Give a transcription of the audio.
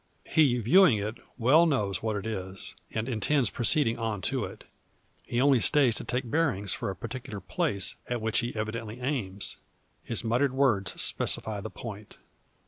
He viewing it, well knows what it is, and intends proceeding on to it. He only stays to take bearings for a particular place, at which he evidently aims. His muttered words specify the point.